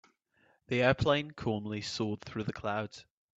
The airplane calmly soared through the clouds.